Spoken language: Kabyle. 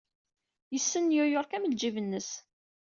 Yessen New York am ljib-nnes.